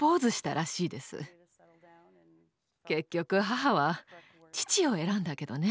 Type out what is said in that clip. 結局母は父を選んだけどね。